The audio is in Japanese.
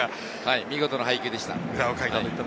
見事な配球でした。